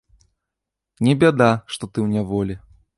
Не бяда, што ты ў няволі.